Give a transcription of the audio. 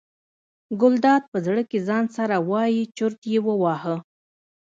ګلداد په زړه کې ځان سره وایي چورت یې وواهه.